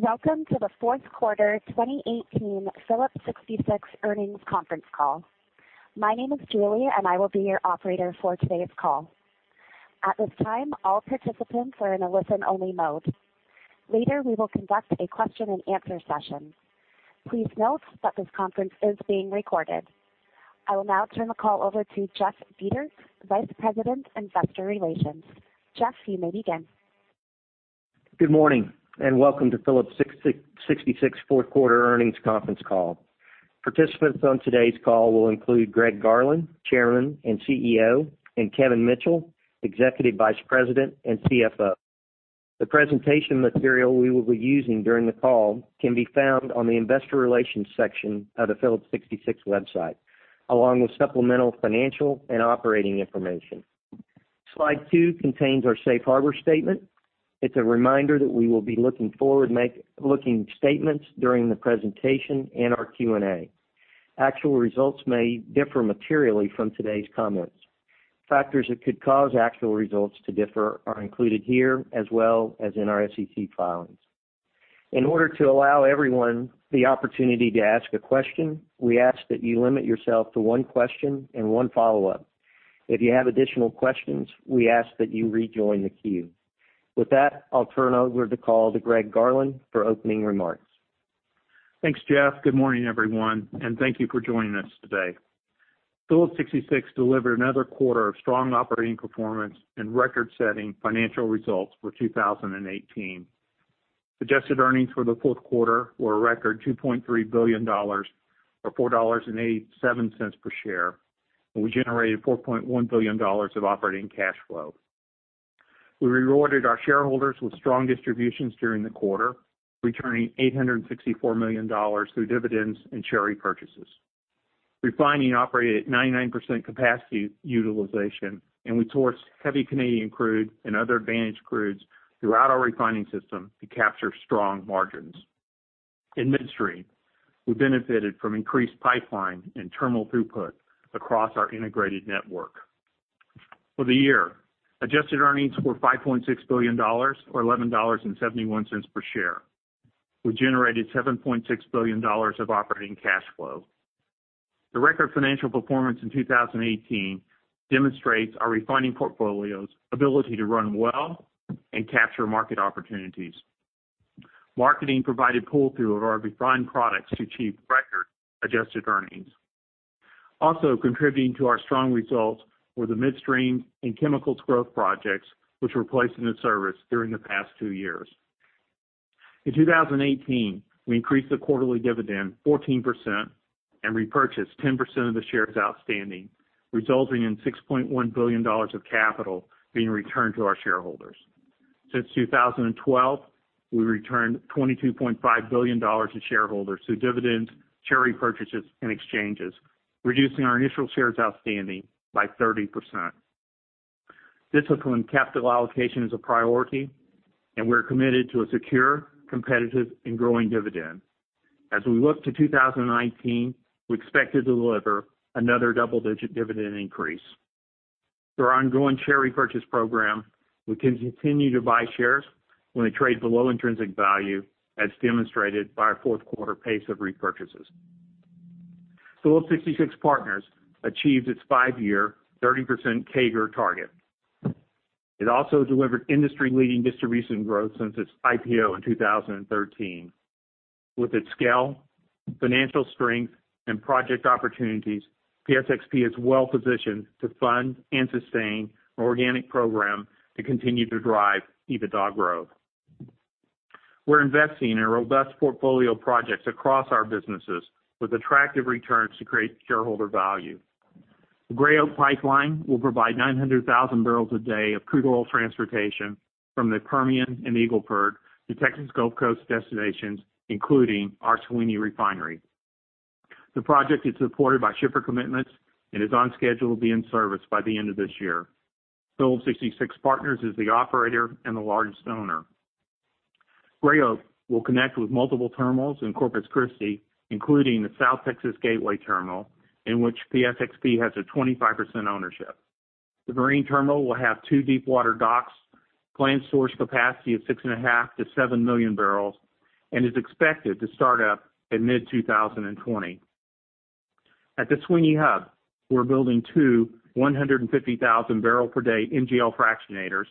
Welcome to the fourth quarter 2018 Phillips 66 earnings conference call. My name is Julie, and I will be your operator for today's call. At this time, all participants are in a listen-only mode. Later, we will conduct a question and answer session. Please note that this conference is being recorded. I will now turn the call over to Jeff Dietert, Vice President, Investor Relations. Jeff, you may begin. Good morning, and welcome to Phillips 66 fourth quarter earnings conference call. Participants on today's call will include Greg Garland, Chairman and CEO, and Kevin Mitchell, Executive Vice President and CFO. The presentation material we will be using during the call can be found on the investor relations section of the Phillips 66 website, along with supplemental financial and operating information. Slide two contains our safe harbor statement. It's a reminder that we will be looking forward statements during the presentation and our Q&A. Actual results may differ materially from today's comments. Factors that could cause actual results to differ are included here as well as in our SEC filings. In order to allow everyone the opportunity to ask a question, we ask that you limit yourself to one question and one follow-up. If you have additional questions, we ask that you rejoin the queue. With that, I'll turn over the call to Greg Garland for opening remarks. Thanks, Jeff. Good morning, everyone, and thank you for joining us today. Phillips 66 delivered another quarter of strong operating performance and record-setting financial results for 2018. Adjusted earnings for the fourth quarter were a record $2.3 billion, or $4.87 per share, and we generated $4.1 billion of operating cash flow. We rewarded our shareholders with strong distributions during the quarter, returning $864 million through dividends and share repurchases. Refining operated at 99% capacity utilization, and we sourced heavy Canadian crude and other advantaged crudes throughout our refining system to capture strong margins. In midstream, we benefited from increased pipeline and terminal throughput across our integrated network. For the year, adjusted earnings were $5.6 billion, or $11.71 per share. We generated $7.6 billion of operating cash flow. The record financial performance in 2018 demonstrates our refining portfolio's ability to run well and capture market opportunities. Marketing provided pull-through of our refined products to achieve record-adjusted earnings. Also contributing to our strong results were the midstream and chemicals growth projects, which were placed into service during the past two years. In 2018, we increased the quarterly dividend 14% and repurchased 10% of the shares outstanding, resulting in $6.1 billion of capital being returned to our shareholders. Since 2012, we returned $22.5 billion to shareholders through dividends, share repurchases, and exchanges, reducing our initial shares outstanding by 30%. Disciplined capital allocation is a priority, we're committed to a secure, competitive and growing dividend. As we look to 2019, we expect to deliver another double-digit dividend increase. Through our ongoing share repurchase program, we can continue to buy shares when they trade below intrinsic value, as demonstrated by our fourth quarter pace of repurchases. Phillips 66 Partners achieved its five-year, 30% CAGR target. It also delivered industry-leading distribution growth since its IPO in 2013. With its scale, financial strength, and project opportunities, PSXP is well-positioned to fund and sustain an organic program to continue to drive EBITDA growth. We're investing in a robust portfolio of projects across our businesses with attractive returns to create shareholder value. The Gray Oak Pipeline will provide 900,000 barrels a day of crude oil transportation from the Permian and the Eagle Ford to Texas Gulf Coast destinations, including our Sweeney Refinery. The project is supported by shipper commitments and is on schedule to be in service by the end of this year. Phillips 66 Partners is the operator and the largest owner. Gray Oak will connect with multiple terminals in Corpus Christi, including the South Texas Gateway Terminal, in which PSXP has a 25% ownership. The marine terminal will have two deepwater docks, planned storage capacity of six and a half to seven million barrels, and is expected to start up in mid-2020. At the Sweeny Hub, we're building two 150,000-barrel-per-day NGL fractionators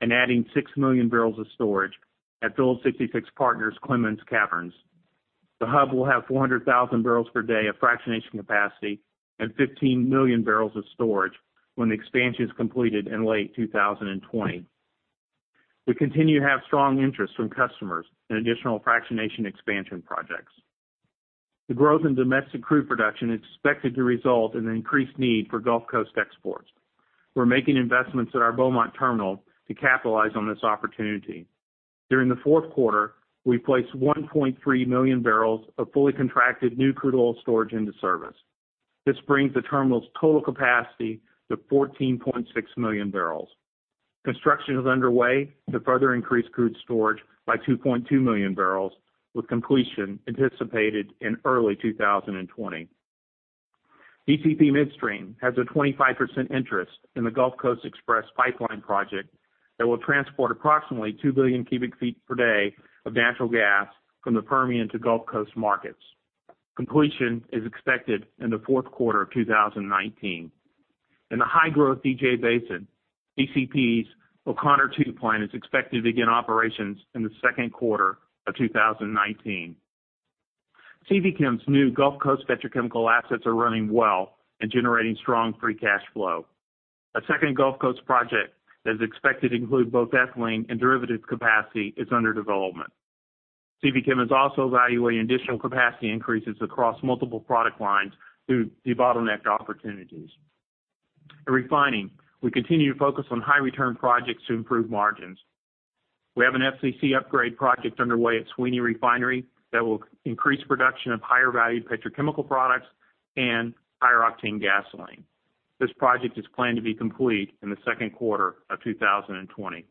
and adding six million barrels of storage at Phillips 66 Partners' Clemens Caverns. The hub will have 400,000 barrels per day of fractionation capacity and 15 million barrels of storage when the expansion is completed in late 2020. We continue to have strong interest from customers in additional fractionation expansion projects. The growth in domestic crude production is expected to result in an increased need for Gulf Coast exports. We're making investments at our Beaumont Terminal to capitalize on this opportunity. During the fourth quarter, we placed 1.3 million barrels of fully contracted new crude oil storage into service. This brings the Terminal's total capacity to 14.6 million barrels. Construction is underway to further increase crude storage by 2.2 million barrels, with completion anticipated in early 2020. DCP Midstream has a 25% interest in the Gulf Coast Express Pipeline Project that will transport approximately two billion cubic feet per day of natural gas from the Permian to Gulf Coast markets. Completion is expected in the fourth quarter of 2019. In the high-growth DJ Basin, DCP's O'Connor II Plant is expected to begin operations in the second quarter of 2019. CPChem's new Gulf Coast petrochemical assets are running well and generating strong free cash flow. A second Gulf Coast project that is expected to include both ethylene and derivatives capacity is under development. CPChem is also evaluating additional capacity increases across multiple product lines through debottleneck opportunities. In refining, we continue to focus on high-return projects to improve margins. We have an FCC upgrade project underway at Sweeney Refinery that will increase production of higher-value petrochemical products and higher-octane gasoline. This project is planned to be complete in the second quarter of 2020.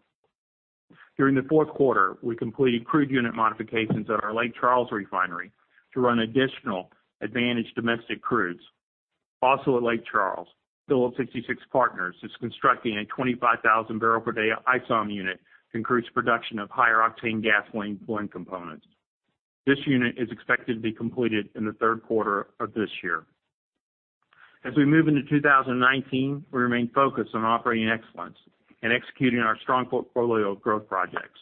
During the fourth quarter, we completed crude unit modifications at our Lake Charles refinery to run additional advantage domestic crudes. Also at Lake Charles, Phillips 66 Partners is constructing a 25,000-barrel-per-day isom unit to increase production of higher-octane gasoline blend components. This unit is expected to be completed in the third quarter of this year. As we move into 2019, we remain focused on operating excellence and executing our strong portfolio of growth projects.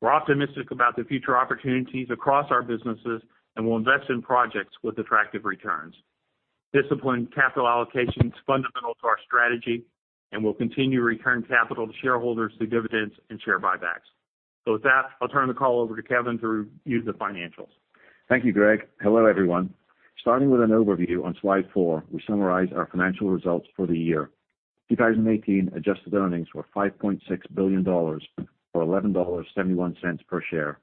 We're optimistic about the future opportunities across our businesses and will invest in projects with attractive returns. Disciplined capital allocation is fundamental to our strategy, and we'll continue to return capital to shareholders through dividends and share buybacks. With that, I'll turn the call over to Kevin to review the financials. Thank you, Greg. Hello, everyone. Starting with an overview on slide four, we summarize our financial results for the year. 2018 adjusted earnings were $5.6 billion, or $11.71 per share.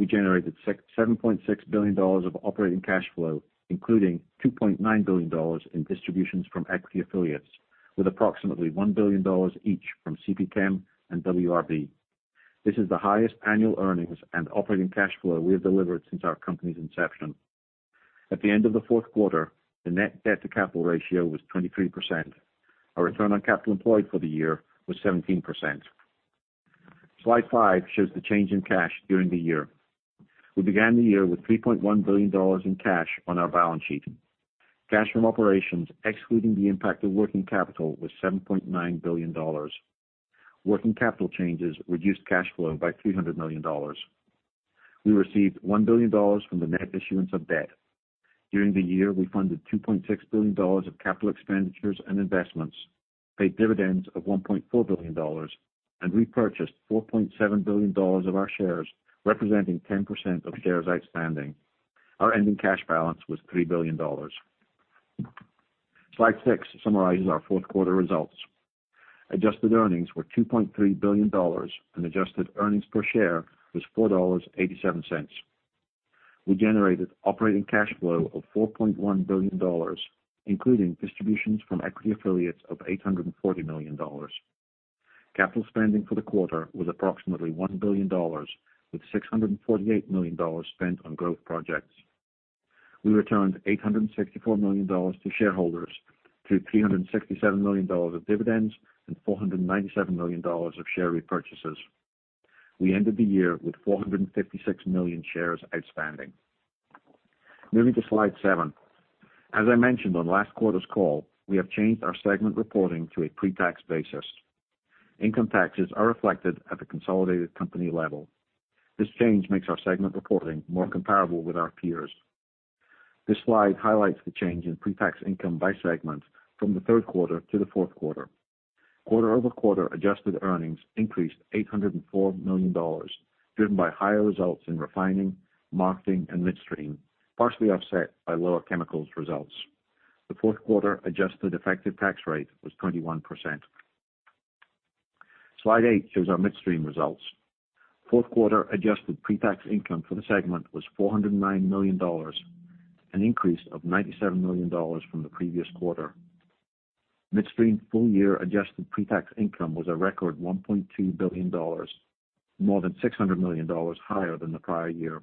We generated $7.6 billion of operating cash flow, including $2.9 billion in distributions from equity affiliates, with approximately $1 billion each from CPChem and WRB. This is the highest annual earnings and operating cash flow we have delivered since our company's inception. At the end of the fourth quarter, the net debt to capital ratio was 23%. Our return on capital employed for the year was 17%. Slide five shows the change in cash during the year. We began the year with $3.1 billion in cash on our balance sheet. Cash from operations, excluding the impact of working capital, was $7.9 billion. Working capital changes reduced cash flow by $300 million. We received $1 billion from the net issuance of debt. During the year, we funded $2.6 billion of capital expenditures and investments, paid dividends of $1.4 billion, and repurchased $4.7 billion of our shares, representing 10% of shares outstanding. Our ending cash balance was $3 billion. Slide six summarizes our fourth quarter results. Adjusted earnings were $2.3 billion and adjusted earnings per share was $4.87. We generated operating cash flow of $4.1 billion, including distributions from equity affiliates of $840 million. Capital spending for the quarter was approximately $1 billion, with $648 million spent on growth projects. We returned $864 million to shareholders through $367 million of dividends and $497 million of share repurchases. We ended the year with 456 million shares outstanding. Moving to slide seven. As I mentioned on last quarter's call, we have changed our segment reporting to a pre-tax basis. Income taxes are reflected at the consolidated company level. This change makes our segment reporting more comparable with our peers. This slide highlights the change in pre-tax income by segment from the third quarter to the fourth quarter. Quarter-over-quarter adjusted earnings increased $804 million, driven by higher results in refining, marketing, and midstream, partially offset by lower chemicals results. The fourth quarter adjusted effective tax rate was 21%. Slide 8 shows our midstream results. Fourth quarter adjusted pre-tax income for the segment was $409 million, an increase of $97 million from the previous quarter. Midstream full-year adjusted pre-tax income was a record $1.2 billion, more than $600 million higher than the prior year.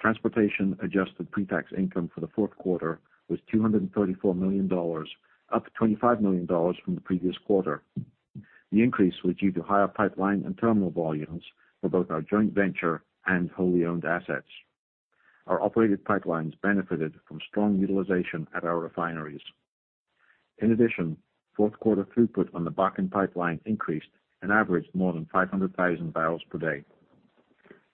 Transportation adjusted pre-tax income for the fourth quarter was $234 million, up $25 million from the previous quarter. The increase was due to higher pipeline and terminal volumes for both our joint venture and wholly owned assets. Our operated pipelines benefited from strong utilization at our refineries. In addition, fourth quarter throughput on the Bakken Pipeline increased and averaged more than 500,000 barrels per day.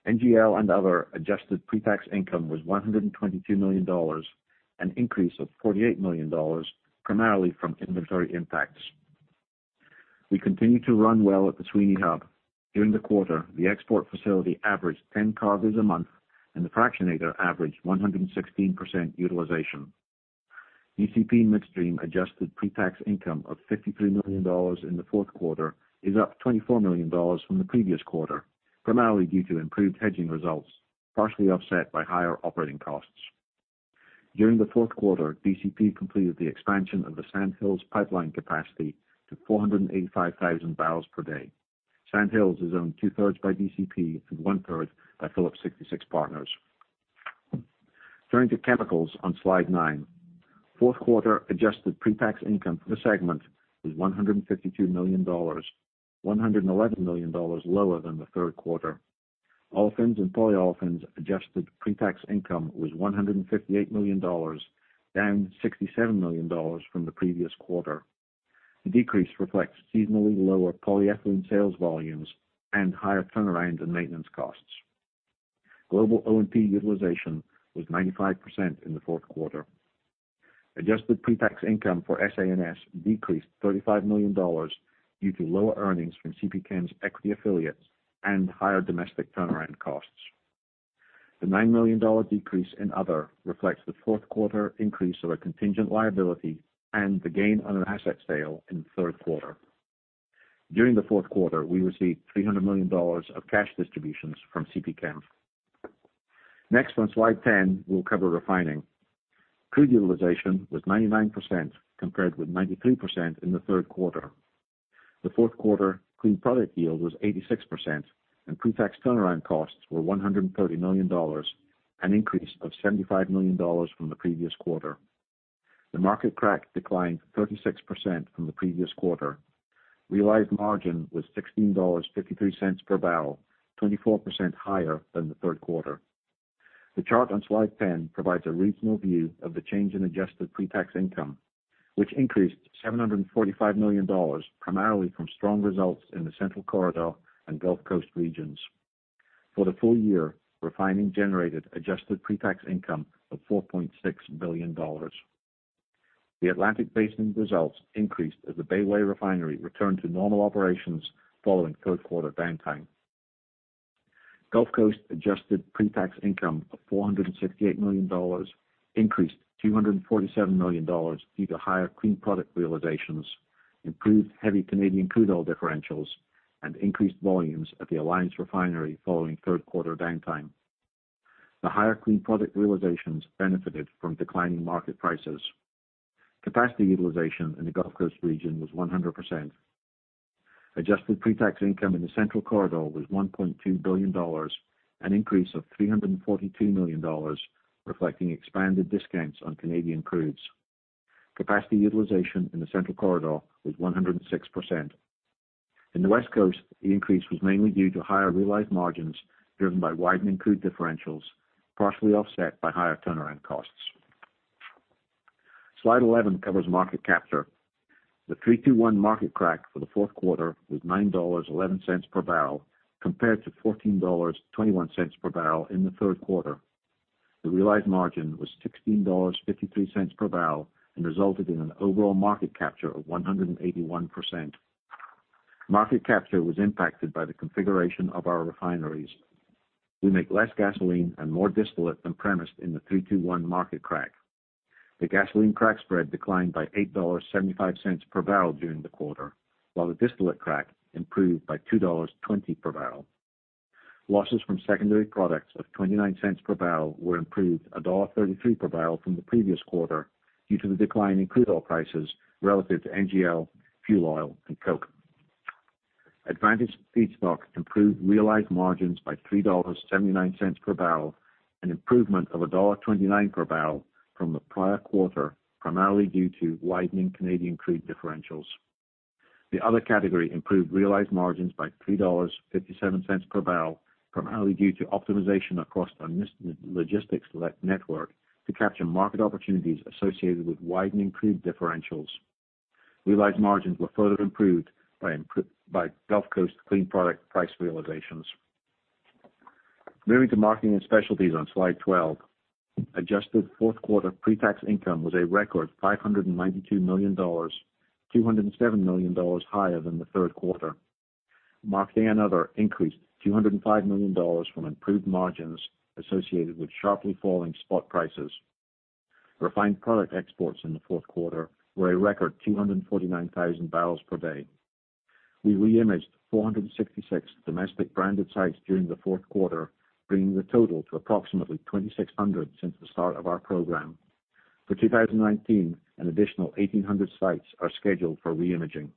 NGL and other adjusted pre-tax income was $122 million, an increase of $48 million, primarily from inventory impacts. We continue to run well at the Sweeny Hub. During the quarter, the export facility averaged 10 cargoes a month, and the fractionator averaged 116% utilization. DCP Midstream adjusted pre-tax income of $53 million in the fourth quarter is up $24 million from the previous quarter, primarily due to improved hedging results, partially offset by higher operating costs. During the fourth quarter, DCP completed the expansion of the Sand Hills Pipeline capacity to 485,000 barrels per day. Sand Hills is owned two-thirds by DCP and one-third by Phillips 66 Partners. Turning to Chemicals on slide nine. Fourth quarter adjusted pre-tax income for the segment was $152 million, $111 million lower than the third quarter. Olefins & Polyolefins adjusted pre-tax income was $158 million, down $67 million from the previous quarter. The decrease reflects seasonally lower polyethylene sales volumes and higher turnaround and maintenance costs. Global O&P utilization was 95% in the fourth quarter. Adjusted pre-tax income for SA&S decreased $35 million due to lower earnings from CPChem's equity affiliates and higher domestic turnaround costs. The $9 million decrease in other reflects the fourth quarter increase of a contingent liability and the gain on an asset sale in the third quarter. During the fourth quarter, we received $300 million of cash distributions from CPChem. Next, on slide 10, we'll cover refining. Crude utilization was 99%, compared with 93% in the third quarter. The fourth quarter clean product yield was 86%, and pre-tax turnaround costs were $130 million, an increase of $75 million from the previous quarter. The market crack declined 36% from the previous quarter. Realized margin was $16.53 per barrel, 24% higher than the third quarter. The chart on slide 10 provides a regional view of the change in adjusted pre-tax income, which increased $745 million, primarily from strong results in the Central Corridor and Gulf Coast regions. For the full year, refining generated adjusted pre-tax income of $4.6 billion. The Atlantic Basin results increased as the Bayway Refinery returned to normal operations following third quarter downtime. Gulf Coast adjusted pre-tax income of $468 million increased $247 million due to higher clean product realizations, improved heavy Canadian crude oil differentials, and increased volumes at the Alliance Refinery following third quarter downtime. The higher clean product realizations benefited from declining market prices. Capacity utilization in the Gulf Coast region was 100%. Adjusted pre-tax income in the Central Corridor was $1.2 billion, an increase of $342 million, reflecting expanded discounts on Canadian crudes. Capacity utilization in the Central Corridor was 106%. In the West Coast, the increase was mainly due to higher realized margins driven by widening crude differentials, partially offset by higher turnaround costs. Slide 11 covers market capture. The 3-2-1 market crack for the fourth quarter was $9.11 per barrel, compared to $14.21 per barrel in the third quarter. The realized margin was $16.53 per barrel and resulted in an overall market capture of 181%. Market capture was impacted by the configuration of our refineries. We make less gasoline and more distillate than premised in the 3-2-1 market crack. The gasoline crack spread declined by $8.75 per barrel during the quarter, while the distillate crack improved by $2.20 per barrel. Losses from secondary products of $0.29 per barrel were improved $1.33 per barrel from the previous quarter due to the decline in crude oil prices relative to NGL, fuel oil, and coke. Advantage feedstock improved realized margins by $3.79 per barrel, an improvement of $1.29 per barrel from the prior quarter, primarily due to widening Canadian crude differentials. The other category improved realized margins by $3.57 per barrel, primarily due to optimization across our logistics network to capture market opportunities associated with widening crude differentials. Realized margins were further improved by Gulf Coast clean product price realizations. Moving to Marketing and Specialties on slide 12. Adjusted fourth quarter pre-tax income was a record $592 million, $207 million higher than the third quarter. Marketing and Other increased $205 million from improved margins associated with sharply falling spot prices. Refined product exports in the fourth quarter were a record 249,000 barrels per day. We re-imaged 466 domestic branded sites during the fourth quarter, bringing the total to approximately 2,600 since the start of our program. For 2019, an additional 1,800 sites are scheduled for re-imaging.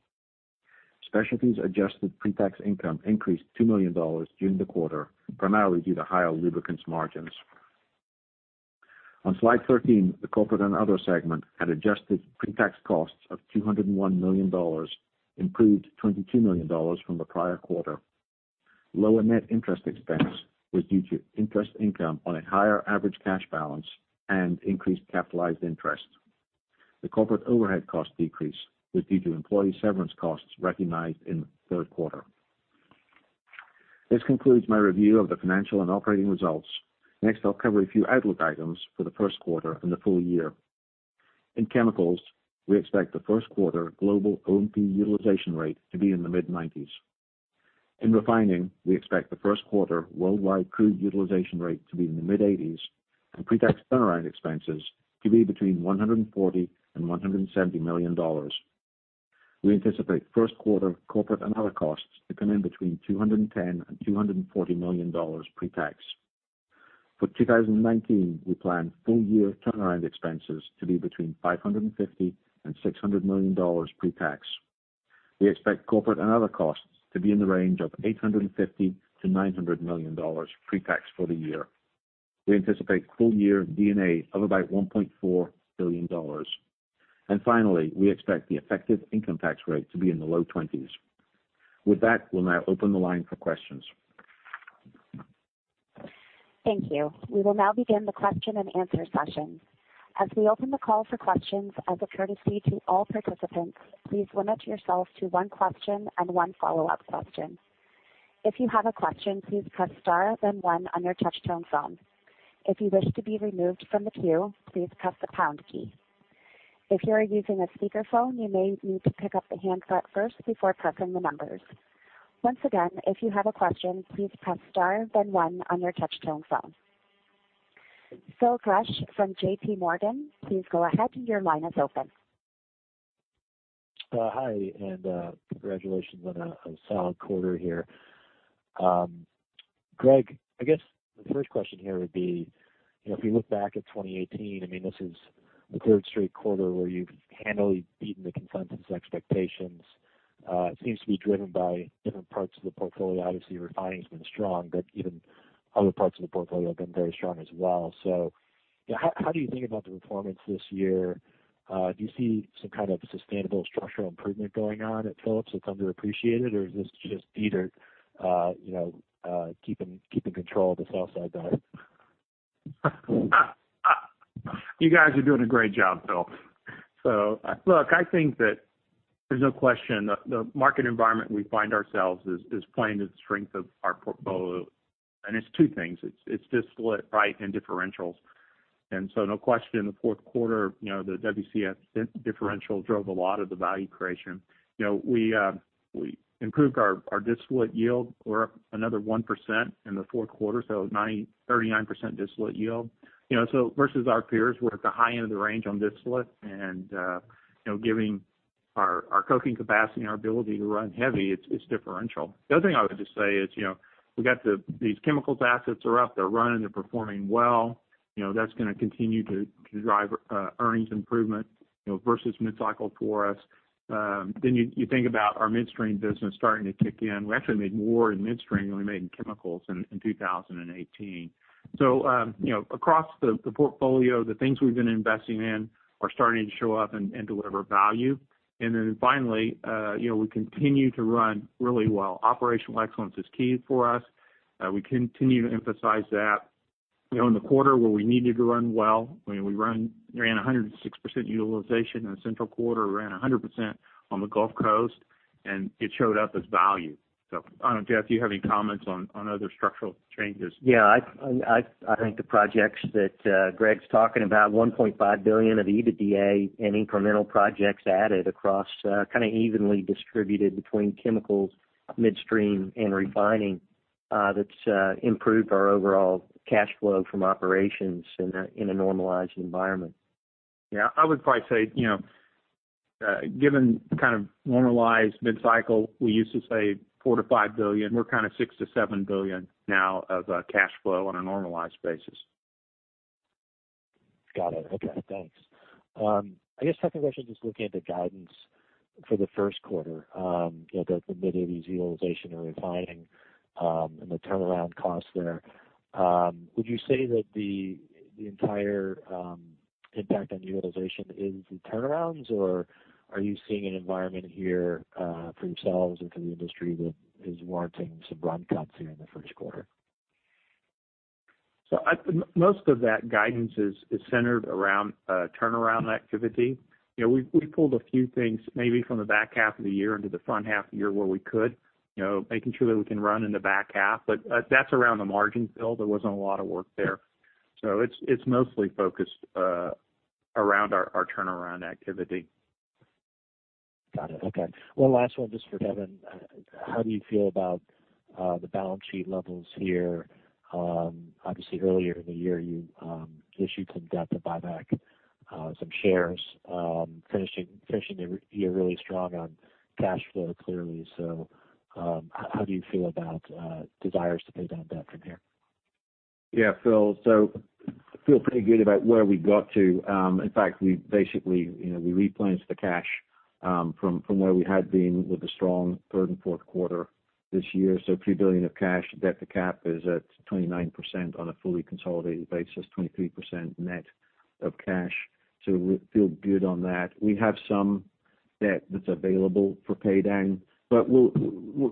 Specialties adjusted pre-tax income increased $2 million during the quarter, primarily due to higher lubricants margins. On slide 13, the Corporate and Other segment had adjusted pre-tax costs of $201 million, improved $22 million from the prior quarter. Lower net interest expense was due to interest income on a higher average cash balance and increased capitalized interest. The corporate overhead cost decrease was due to employee severance costs recognized in the third quarter. This concludes my review of the financial and operating results. Next, I'll cover a few outlook items for the first quarter and the full year. In Chemicals, we expect the first quarter global O&P utilization rate to be in the mid-90s. In Refining, we expect the first quarter worldwide crude utilization rate to be in the mid-80s and pre-tax turnaround expenses to be between $140 million-$170 million. We anticipate first quarter Corporate and Other costs to come in between $210 million-$240 million pre-tax. For 2019, we plan full-year turnaround expenses to be between $550 million-$600 million pre-tax. We expect corporate and other costs to be in the range of $850 million-$900 million pre-tax for the year. We anticipate full-year D&A of about $1.4 billion. Finally, we expect the effective income tax rate to be in the low twenties. With that, we'll now open the line for questions. Thank you. We will now begin the question and answer session. As we open the call for questions, as a courtesy to all participants, please limit yourselves to one question and one follow-up question. If you have a question, please press star then one on your touch-tone phone. If you wish to be removed from the queue, please press the pound key. If you are using a speakerphone, you may need to pick up the handset first before pressing the numbers. Once again, if you have a question, please press star then one on your touch-tone phone. Phil Gresh from J.P. Morgan, please go ahead. Your line is open. Hi, and congratulations on a solid quarter here. Greg, I guess the first question here would be, if you look back at 2018, this is the third straight quarter where you've handily beaten the consensus expectations. It seems to be driven by different parts of the portfolio. Obviously, refining has been strong, even other parts of the portfolio have been very strong as well. How do you think about the performance this year? Do you see some kind of sustainable structural improvement going on at Phillips that's underappreciated, or is this just Peter keeping control of this outside bet? You guys are doing a great job, Phil Gresh. Look, I think that there's no question the market environment we find ourselves is playing to the strength of our portfolio. It's two things. It's distillate and differentials. No question, in the fourth quarter, the WCS differential drove a lot of the value creation. We improved our distillate yield. We're up another 1% in the fourth quarter, so 39% distillate yield. Versus our peers, we're at the high end of the range on distillate and giving our coking capacity and our ability to run heavy, it's differential. The other thing I would just say is, we got these chemicals assets are up, they're running, they're performing well. That's going to continue to drive earnings improvement versus mid-cycle for us. You think about our midstream business starting to kick in. We actually made more in midstream than we made in chemicals in 2018. Across the portfolio, the things we've been investing in are starting to show up and deliver value. Finally, we continue to run really well. Operational excellence is key for us. We continue to emphasize that. In the quarter where we needed to run well, we ran 106% utilization in the central quarter. We ran 100% on the Gulf Coast, and it showed up as value. I don't know, Jeff Dietert, do you have any comments on other structural changes? I think the projects that Greg's talking about, $1.5 billion of EBITDA and incremental projects added across evenly distributed between chemicals, midstream, and refining. That's improved our overall cash flow from operations in a normalized environment. I would probably say, given normalized mid-cycle, we used to say $4 billion-$5 billion. We're $6 billion-$7 billion now of cash flow on a normalized basis. Got it. Okay, thanks. I guess second question, just looking at the guidance for the first quarter, the mid-80s utilization and refining and the turnaround costs there. Would you say that the entire impact on utilization is the turnarounds, or are you seeing an environment here for yourselves or for the industry that is warranting some run cuts here in the first quarter? Most of that guidance is centered around turnaround activity. We pulled a few things maybe from the back half of the year into the front half of the year where we could, making sure that we can run in the back half, but that's around the margins, Phil. There wasn't a lot of work there. It's mostly focused around our turnaround activity. Got it. Okay. One last one just for Kevin. How do you feel about the balance sheet levels here? Obviously earlier in the year, you issued some debt to buy back some shares, finishing the year really strong on cash flow, clearly. How do you feel about desires to pay down debt from here? Yeah, Phil, I feel pretty good about where we got to. In fact, we basically replenished the cash from where we had been with a strong third and fourth quarter this year. $3 billion of cash, debt to cap is at 29% on a fully consolidated basis, 23% net of cash. We feel good on that. We have some debt that's available for pay down, we'll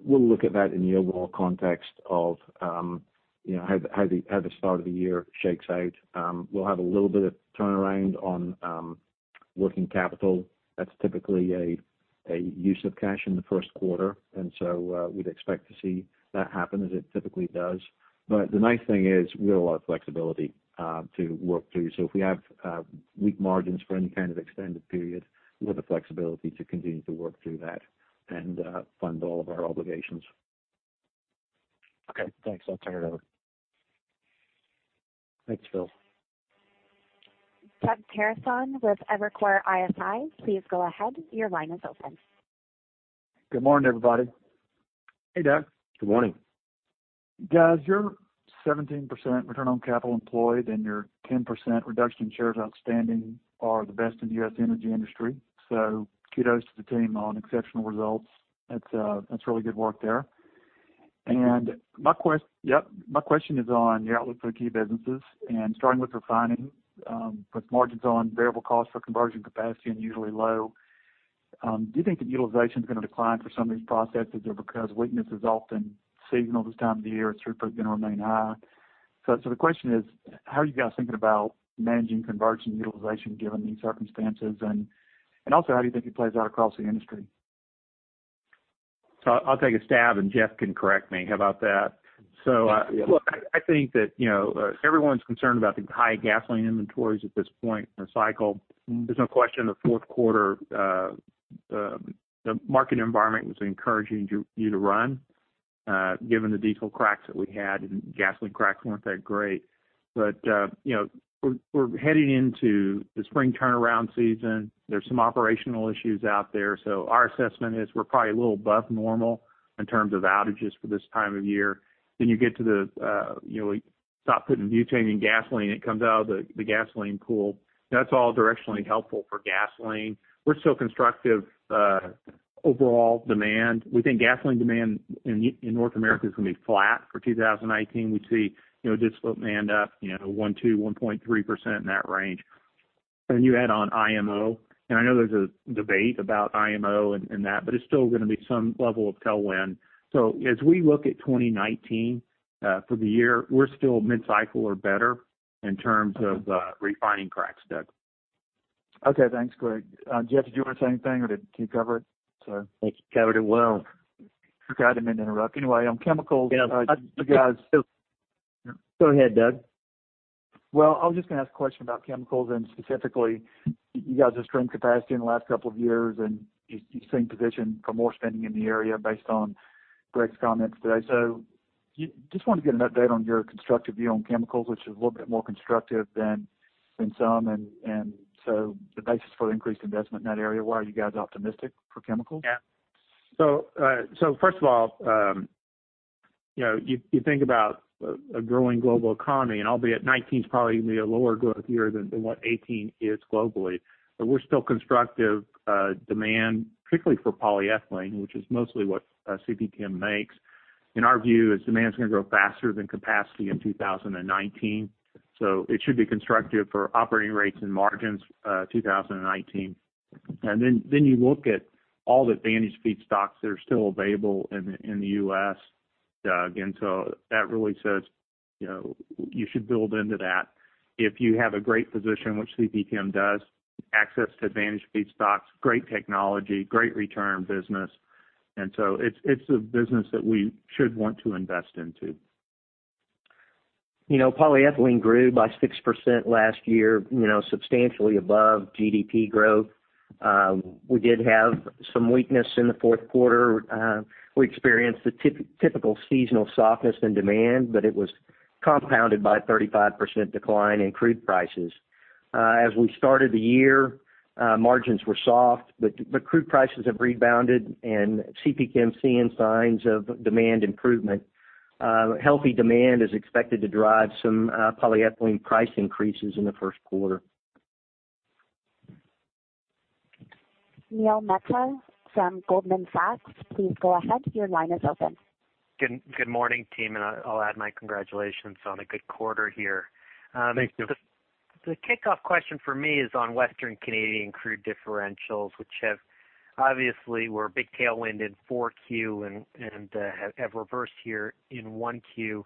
look at that in the overall context of how the start of the year shakes out. We'll have a little bit of turnaround on working capital. That's typically a use of cash in the first quarter, we'd expect to see that happen as it typically does. The nice thing is we have a lot of flexibility to work through. If we have weak margins for any kind of extended period, we have the flexibility to continue to work through that and fund all of our obligations. Okay, thanks. I'll turn it over. Thanks, Phil. Doug Terreson with Evercore ISI, please go ahead. Your line is open. Good morning, everybody. Hey, Doug. Good morning. Guys, your 17% return on capital employed and your 10% reduction in shares outstanding are the best in the U.S. energy industry. Kudos to the team on exceptional results. That's really good work there. My question is on your outlook for the key businesses and starting with refining, with margins on variable cost for conversion capacity and usually low, do you think that utilization's going to decline for some of these processes or because weakness is often seasonal this time of the year, it's going to remain high. The question is: How are you guys thinking about managing conversion utilization given these circumstances and also, how do you think it plays out across the industry? I'll take a stab and Jeff can correct me. How about that? I think that everyone's concerned about the high gasoline inventories at this point in the cycle. There's no question the fourth quarter, the market environment was encouraging you to run, given the diesel cracks that we had, and gasoline cracks weren't that great. We're heading into the spring turnaround season. There's some operational issues out there. Our assessment is we're probably a little above normal in terms of outages for this time of year. You get to the stop putting butane in gasoline. It comes out of the gasoline pool. That's all directionally helpful for gasoline. We're still constructive overall demand. We think gasoline demand in North America is going to be flat for 2019. We see diesel demand up 1.2%, 1.3%, in that range. You add on IMO, I know there's a debate about IMO and that, it's still going to be some level of tailwind. As we look at 2019, for the year, we're still mid-cycle or better in terms of refining cracks, Doug. Okay, thanks. Great. Jeff, did you want to say anything or did he cover it? I think he covered it well. Forgot, I didn't mean to interrupt. Anyway, on chemicals, you guys. Go ahead, Doug. I was just going to ask a question about chemicals and specifically you guys have streamed capacity in the last couple of years, and you seem positioned for more spending in the area based on Greg's comments today. Just wanted to get an update on your constructive view on chemicals, which is a little bit more constructive than some, the basis for the increased investment in that area. Why are you guys optimistic for chemicals? First of all, you think about a growing global economy and albeit 2019 is probably going to be a lower growth year than what 2018 is globally. We're still constructive demand, particularly for polyethylene, which is mostly what CPChem makes. In our view, demand's going to grow faster than capacity in 2019. It should be constructive for operating rates and margins, 2019. You look at all the advantaged feedstocks that are still available in the U.S., Doug. That really says, you should build into that if you have a great position, which CPChem does, access to advantaged feedstocks, great technology, great return business. It's a business that we should want to invest into. Polyethylene grew by 6% last year, substantially above GDP growth. We did have some weakness in the fourth quarter. We experienced the typical seasonal softness in demand, but it was compounded by a 35% decline in crude prices. As we started the year, margins were soft, but crude prices have rebounded and CPChem's seeing signs of demand improvement. Healthy demand is expected to drive some polyethylene price increases in the first quarter. Neil Mehta from Goldman Sachs, please go ahead. Your line is open. Good morning, team. I'll add my congratulations on a good quarter here. Thank you. The kickoff question for me is on Western Canadian crude differentials, which have obviously were a big tailwind in four Q and have reversed here in one Q.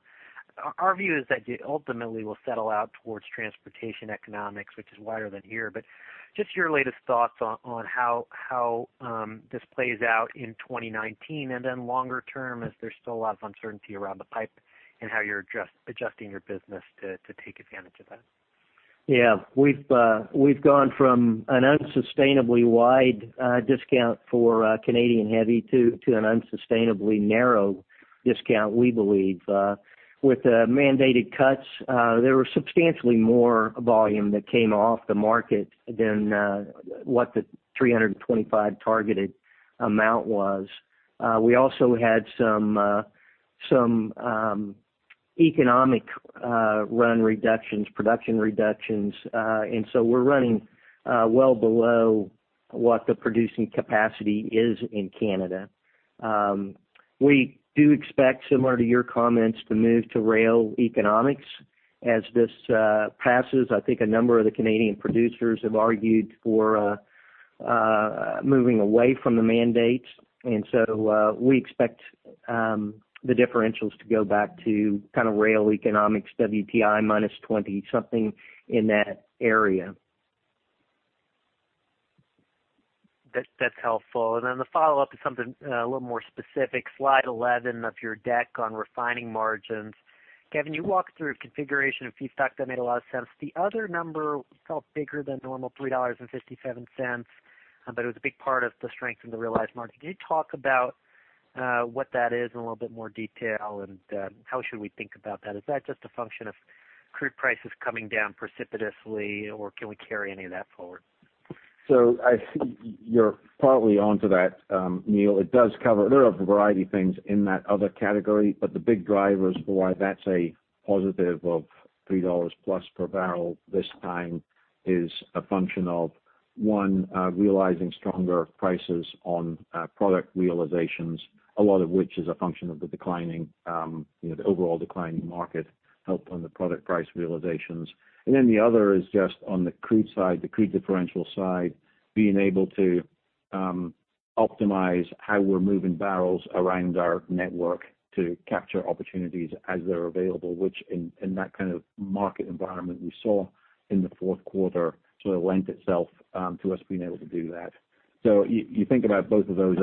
Our view is that they ultimately will settle out towards transportation economics, which is wider than here. Just your latest thoughts on how this plays out in 2019 and then longer term as there's still a lot of uncertainty around the pipe and how you're adjusting your business to take advantage of that. Yeah. We've gone from an unsustainably wide discount for Canadian heavy to an unsustainably narrow discount, we believe. With mandated cuts, there was substantially more volume that came off the market than what the 325 targeted amount was. We also had some economic run reductions, production reductions. We're running well below what the producing capacity is in Canada. We do expect similar to your comments, to move to rail economics as this passes. I think a number of the Canadian producers have argued for moving away from the mandates. We expect the differentials to go back to kind of rail economics, WTI minus 20, something in that area. That's helpful. The follow-up is something a little more specific. Slide 11 of your deck on refining margins. Kevin, you walked through configuration of feedstock. That made a lot of sense. The other number felt bigger than normal, $3.57. But it was a big part of the strength in the realized margin. Can you talk about what that is in a little bit more detail and how should we think about that? Is that just a function of crude prices coming down precipitously, or can we carry any of that forward? I think you're partly onto that, Neil. There are a variety things in that other category, the big drivers for why that's a positive of $3 plus per barrel this time is a function of, one, realizing stronger prices on product realizations, a lot of which is a function of the overall declining market helped on the product price realizations. The other is just on the crude side, the crude differential side, being able to optimize how we're moving barrels around our network to capture opportunities as they're available, which in that kind of market environment we saw in the fourth quarter sort of lent itself to us being able to do that. You think about both of those.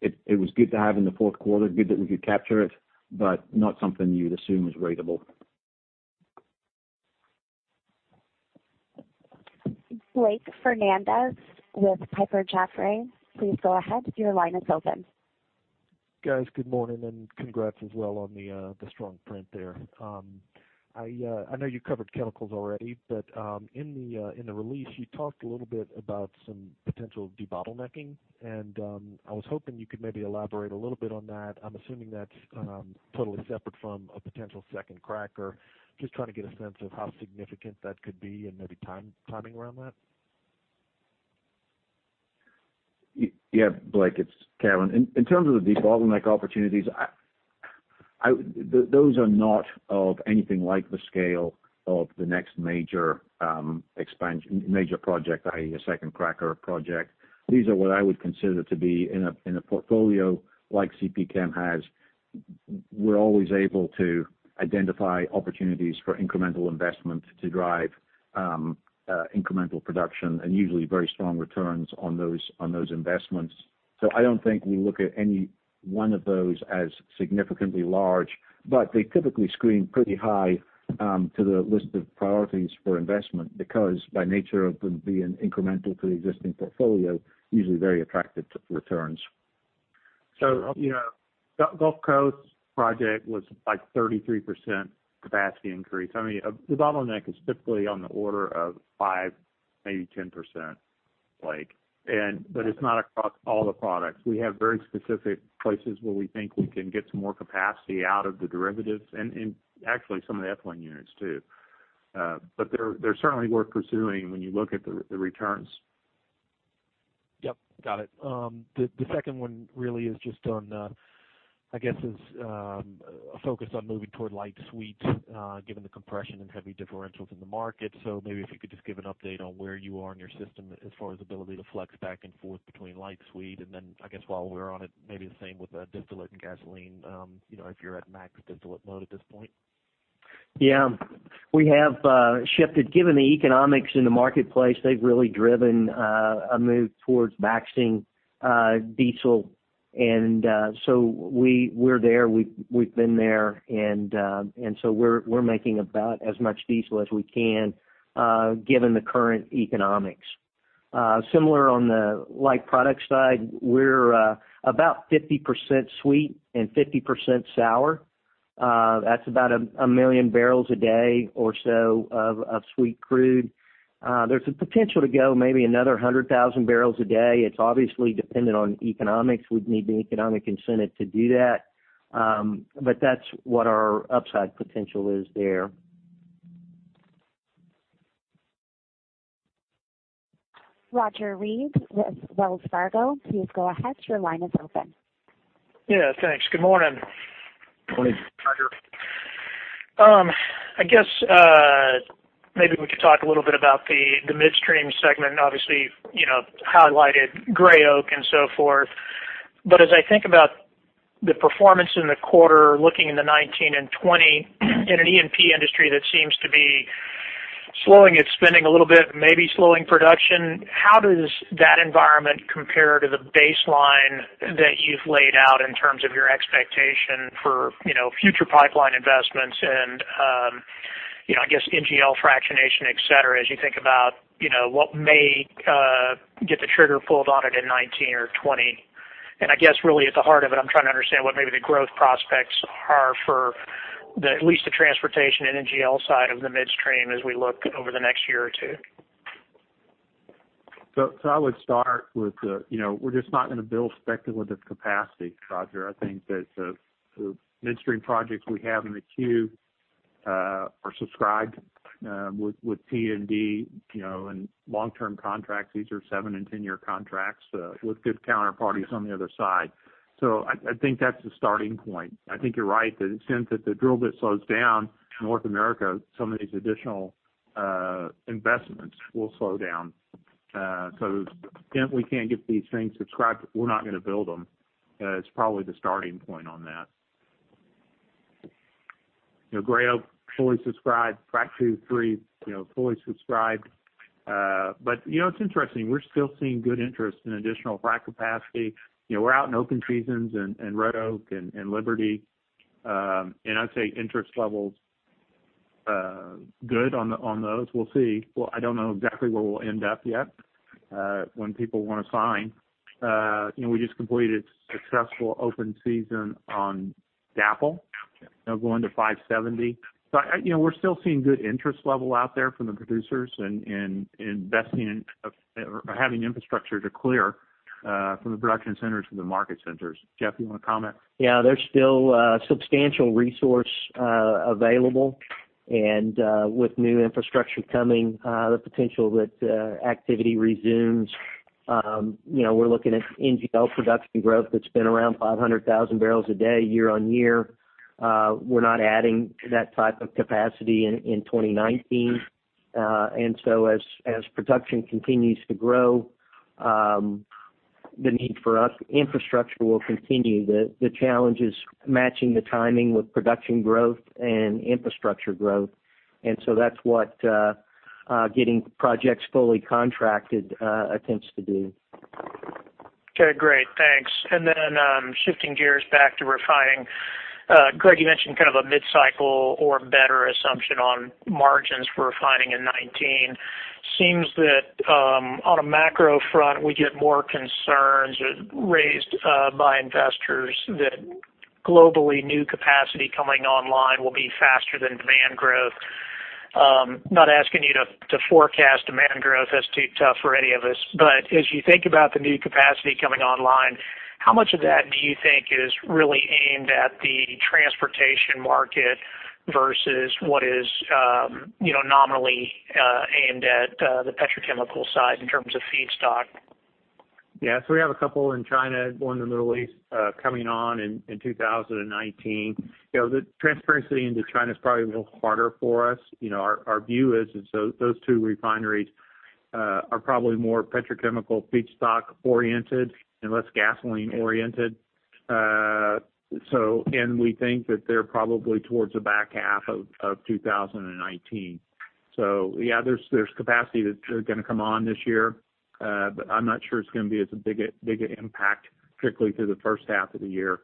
It was good to have in the fourth quarter, good that we could capture it, not something you'd assume is ratable. Blake Fernandez with Piper Jaffray. Please go ahead. Your line is open. Guys, good morning, congrats as well on the strong print there. I know you covered chemicals already, in the release, you talked a little bit about some potential debottlenecking, I was hoping you could maybe elaborate a little bit on that. I'm assuming that's totally separate from a potential second cracker. I'm just trying to get a sense of how significant that could be and maybe timing around that. Yeah, Blake, it's Kevin. In terms of the bottleneck opportunities, those are not of anything like the scale of the next major project, i.e., a second cracker project. These are what I would consider to be in a portfolio like CP Chem has. We're always able to identify opportunities for incremental investment to drive incremental production and usually very strong returns on those investments. I don't think we look at any one of those as significantly large, but they typically screen pretty high to the list of priorities for investment because by nature it would be an incremental to the existing portfolio, usually very attractive returns. Gulf Coast project was like 33% capacity increase. I mean, a bottleneck is typically on the order of 5%, maybe 10%, Blake. It's not across all the products. We have very specific places where we think we can get some more capacity out of the derivatives and actually some of the ethylene units too. They're certainly worth pursuing when you look at the returns. Yep, got it. The second one really is just on, I guess, is a focus on moving toward light sweet given the compression in heavy differentials in the market. Maybe if you could just give an update on where you are in your system as far as ability to flex back and forth between light sweet, and then I guess while we're on it, maybe the same with distillate and gasoline, if you're at max distillate mode at this point. Yeah. We have shifted. Given the economics in the marketplace, they've really driven a move towards maxing diesel, we're there. We've been there, we're making about as much diesel as we can given the current economics. Similar on the light product side, we're about 50% sweet and 50% sour. That's about 1 million barrels a day or so of sweet crude. There's a potential to go maybe another 100,000 barrels a day. It's obviously dependent on economics. We'd need the economic incentive to do that. That's what our upside potential is there. Roger Read with Wells Fargo. Please go ahead. Your line is open. Yeah, thanks. Good morning. Morning. Roger. I guess maybe we could talk a little bit about the midstream segment. Obviously, highlighted Gray Oak and so forth. As I think about the performance in the quarter, looking into 2019 and 2020 in an E&P industry that seems to be slowing its spending a little bit, maybe slowing production, how does that environment compare to the baseline that you've laid out in terms of your expectation for future pipeline investments and, I guess, NGL fractionation, et cetera, as you think about what may get the trigger pulled on it in 2019 or 2020? I guess really at the heart of it, I'm trying to understand what maybe the growth prospects are for at least the transportation and NGL side of the midstream as we look over the next year or two. I would start with we're just not going to build speculative capacity, Roger. I think that the midstream projects we have in the queue are subscribed with P&D and long-term contracts. These are seven- and 10-year contracts with good counterparties on the other side. I think that's the starting point. I think you're right that since if the drill bit slows down in North America, some of these additional investments will slow down. If we can't get these things subscribed, we're not going to build them. It's probably the starting point on that. Gray Oak, fully subscribed. Frac 2, 3, fully subscribed. It's interesting. We're still seeing good interest in additional frac capacity. We're out in open seasons in Red Oak and Liberty. I'd say interest levels good on those. We'll see. Well, I don't know exactly where we'll end up yet when people want to sign. We just completed a successful open season on DAPL going to 570. We're still seeing good interest level out there from the producers and investing in or having infrastructure to clear from the production centers to the market centers. Jeff, you want to comment? Yeah. There's still substantial resource available. With new infrastructure coming, the potential that activity resumes. We're looking at NGL production growth that's been around 500,000 barrels a day year-on-year. We're not adding to that type of capacity in 2019. As production continues to grow, the need for us infrastructure will continue. The challenge is matching the timing with production growth and infrastructure growth. That's what getting projects fully contracted attempts to do. Okay, great. Thanks. Then, shifting gears back to refining. Greg, you mentioned kind of a mid-cycle or better assumption on margins for refining in 2019. Seems that on a macro front, we get more concerns raised by investors that globally new capacity coming online will be faster than demand growth. Not asking you to forecast demand growth. That's too tough for any of us. As you think about the new capacity coming online, how much of that do you think is really aimed at the transportation market versus what is nominally aimed at the petrochemical side in terms of feedstock? Yeah. We have a couple in China, one in the Middle East coming on in 2019. The transparency into China is probably a little harder for us. Our view is those two refineries are probably more petrochemical feedstock-oriented and less gasoline-oriented. We think that they're probably towards the back half of 2019. Yeah, there's capacity that are going to come on this year. I'm not sure it's going to be as big an impact, particularly through the first half of the year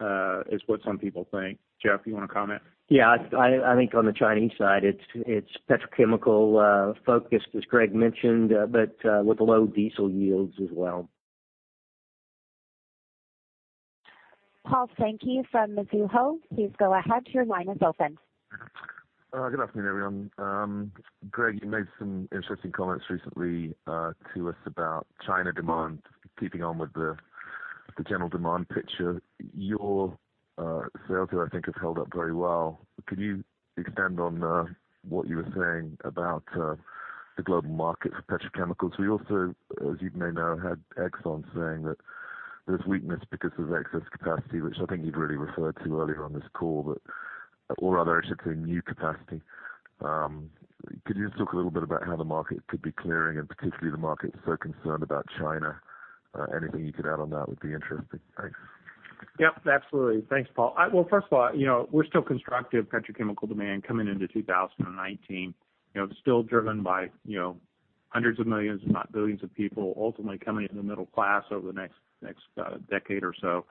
as what some people think. Jeff, you want to comment? I think on the Chinese side, it's petrochemical-focused, as Greg mentioned, but with low diesel yields as well. Paul Sankey from Mizuho, please go ahead. Your line is open. Good afternoon, everyone. Greg, you made some interesting comments recently to us about China demand keeping on with the general demand picture. Your sales there, I think, have held up very well. Can you expand on what you were saying about the global market for petrochemicals? We also, as you may know, had Exxon saying that there's weakness because of excess capacity, which I think you'd really referred to earlier on this call, new capacity. Could you just talk a little bit about how the market could be clearing and particularly the market is so concerned about China? Anything you could add on that would be interesting. Thanks. Yep, absolutely. Thanks, Paul. First of all, we're still constructive petrochemical demand coming into 2019. It's still driven by hundreds of millions, if not billions of people ultimately coming into the middle class over the next decade or so.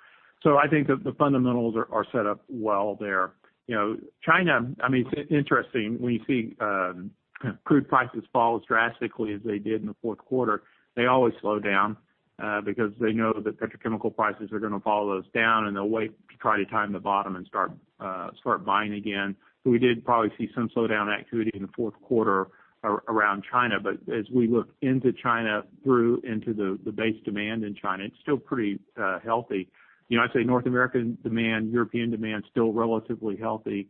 I think that the fundamentals are set up well there. China, it's interesting when you see crude prices fall as drastically as they did in the fourth quarter. They always slow down because they know that petrochemical prices are going to follow us down, and they'll wait to try to time the bottom and start buying again. We did probably see some slowdown activity in the fourth quarter around China. As we look into China through into the base demand in China, it's still pretty healthy. I'd say North American demand, European demand, still relatively healthy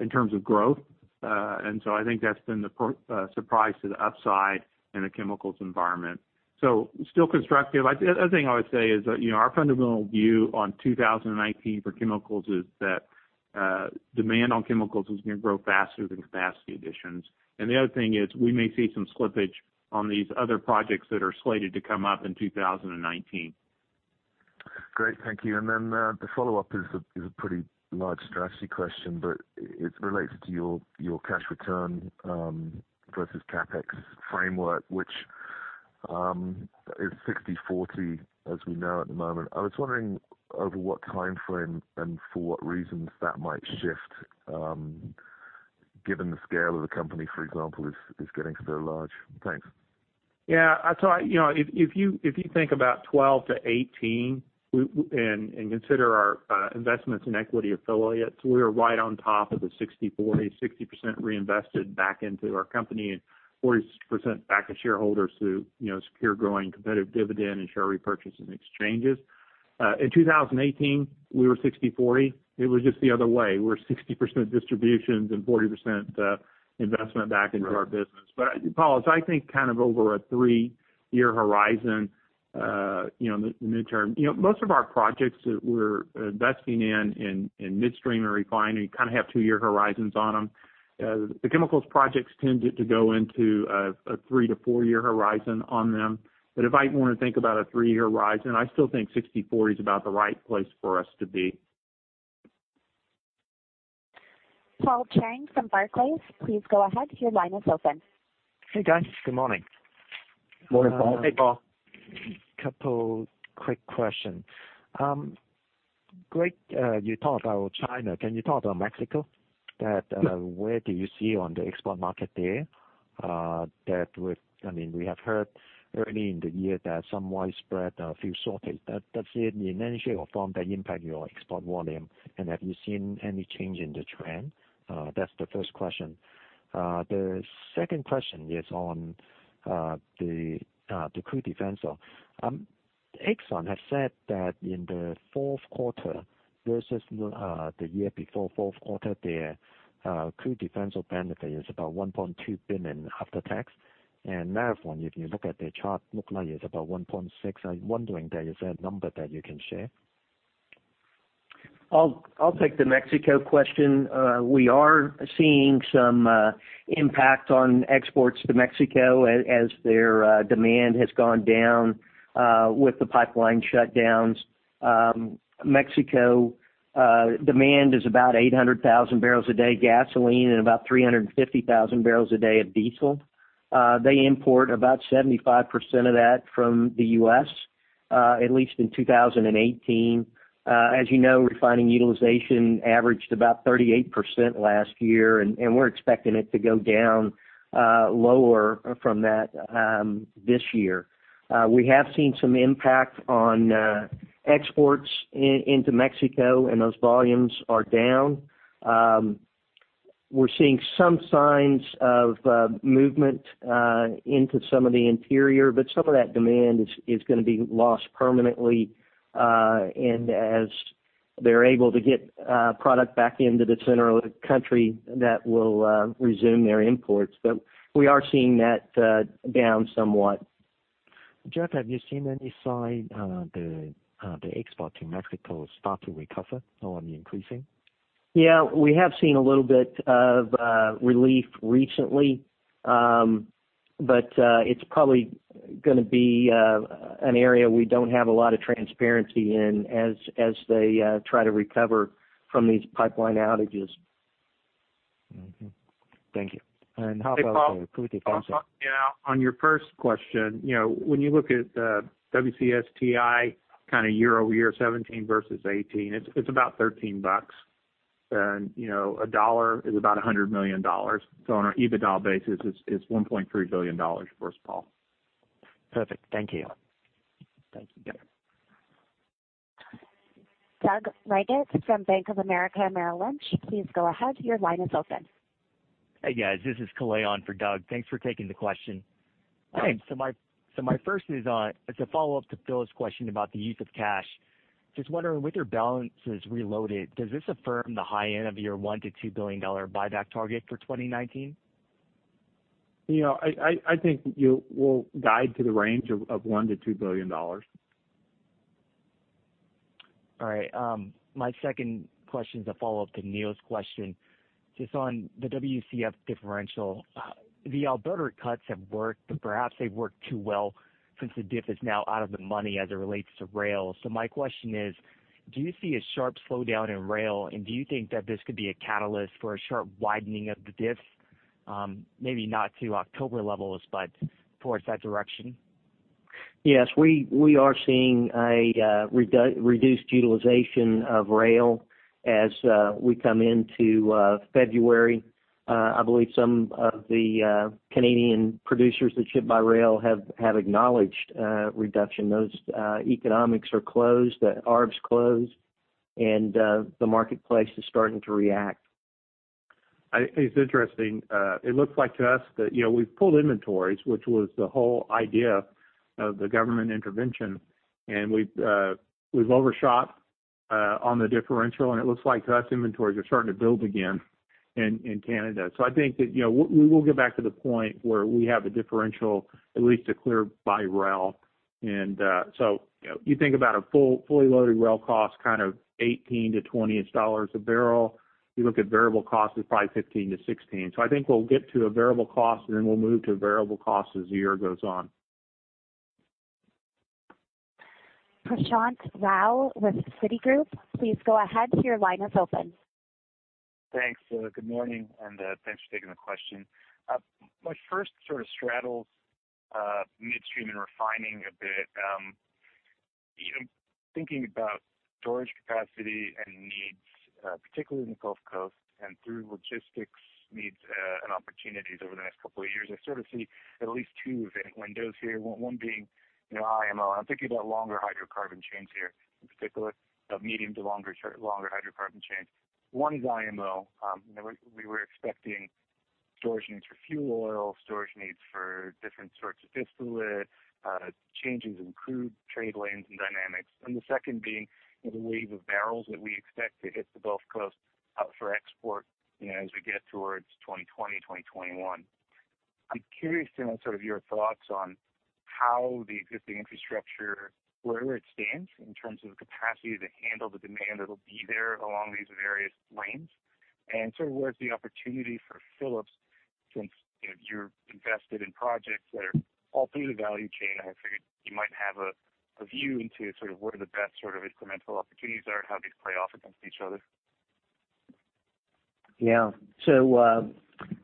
in terms of growth. I think that's been the surprise to the upside in the chemicals environment. Still constructive. The other thing I would say is our fundamental view on 2019 for chemicals is that demand on chemicals is going to grow faster than capacity additions. The other thing is we may see some slippage on these other projects that are slated to come up in 2019. Great. Thank you. Then the follow-up is a pretty large strategy question, but it's related to your cash return versus CapEx framework, which is 60/40, as we know at the moment. I was wondering over what timeframe and for what reasons that might shift given the scale of the company, for example, is getting so large. Thanks. Yeah. If you think about 2012 to 2018, and consider our investments in equity affiliates, we are right on top of the 60/40, 60% reinvested back into our company, and 40% back to shareholders who secure growing competitive dividend and share repurchase and exchanges. In 2018, we were 60/40. It was just the other way, where 60% distributions and 40% investment back into our business. Paul, as I think kind of over a three-year horizon, the midterm, most of our projects that we're investing in midstream and refining kind of have two-year horizons on them. The chemicals projects tend to go into a three to four-year horizon on them. If I want to think about a three-year horizon, I still think 60/40 is about the right place for us to be. Paul Cheng from Barclays, please go ahead. Your line is open. Hey, guys. Good morning. Morning, Paul. Hey, Paul. Couple quick questions. Greg you talk about China. Can you talk about Mexico? Yeah. Where do you see on the export market there? We have heard early in the year that some widespread fuel shortage. Does it, in any shape or form, that impact your export volume, and have you seen any change in the trend? That's the first question. The second question is on the crude differential. Exxon has said that in the fourth quarter versus the year before fourth quarter, their crude differential benefit is about $1.2 billion after tax. Marathon, if you look at their chart, look like it's about $1.6 billion. I'm wondering, is there a number that you can share? I'll take the Mexico question. We are seeing some impact on exports to Mexico as their demand has gone down with the pipeline shutdowns. Mexico demand is about 800,000 barrels a day gasoline and about 350,000 barrels a day of diesel. They import about 75% of that from the U.S., at least in 2018. As you know, refining utilization averaged about 38% last year, we're expecting it to go down lower from that this year. We have seen some impact on exports into Mexico, and those volumes are down. We're seeing some signs of movement into some of the interior, but some of that demand is going to be lost permanently, and as they're able to get product back into the center of the country, that will resume their imports. We are seeing that down somewhat. Jeff, have you seen any sign the export to Mexico start to recover or increasing? We have seen a little bit of relief recently. It's probably going to be an area we don't have a lot of transparency in as they try to recover from these pipeline outages. Mm-hmm. Thank you. How about the crude differential? Hey, Paul. On your first question, when you look at WCS-WTI kind of year-over-year 2017 versus 2018, it's about $13, and $1 is about $100 million. On our EBITDA basis, it's $1.3 billion for us, Paul. Perfect. Thank you. Thank you. Doug Leggate from Bank of America Merrill Lynch, please go ahead. Your line is open. Hey, guys. This is Kaleon for Doug. Thanks for taking the question. Hey. My first is a follow-up to Phil's question about the use of cash. Just wondering, with your balances reloaded, does this affirm the high end of your $1 billion-$2 billion buyback target for 2019? I think we'll guide to the range of $1 billion-$2 billion. My second question is a follow-up to Neil's question. Just on the WCS differential. The Alberta cuts have worked, but perhaps they've worked too well since the diff is now out of the money as it relates to rail. My question is, do you see a sharp slowdown in rail, and do you think that this could be a catalyst for a sharp widening of the diff? Maybe not to October levels, but towards that direction? Yes, we are seeing a reduced utilization of rail as we come into February. I believe some of the Canadian producers that ship by rail have acknowledged a reduction. Those economics are closed, the arbs closed, the marketplace is starting to react. It's interesting. It looks like to us that we've pulled inventories, which was the whole idea of the government intervention, we've overshot on the differential, it looks like to us inventories are starting to build again in Canada. I think that we will get back to the point where we have a differential, at least a clear by rail. You think about a fully loaded rail cost, kind of $18-$20 a barrel. You look at variable costs is probably $15-$16. I think we'll get to a variable cost, then we'll move to variable costs as the year goes on. Prashant Rao with Citigroup, please go ahead. Your line is open. Thanks. Good morning, and thanks for taking the question. My first sort of straddles midstream and refining a bit. Thinking about storage capacity and needs, particularly in the Gulf Coast and through logistics needs and opportunities over the next couple of years, I sort of see at least two event windows here, one being IMO. I'm thinking about longer hydrocarbon chains here, in particular, medium to longer hydrocarbon chains. One is IMO. We were expecting storage needs for fuel oil, storage needs for different sorts of distillate, changes in crude trade lanes and dynamics. The second being the wave of barrels that we expect to hit the Gulf Coast up for export as we get towards 2020, 2021. I'm curious to know sort of your thoughts on how the existing infrastructure, wherever it stands in terms of the capacity to handle the demand that'll be there along these various lanes, and sort of where's the opportunity for Phillips since you're invested in projects that are all through the value chain. I figured you might have a view into sort of where the best sort of incremental opportunities are and how these play off against each other. Yeah.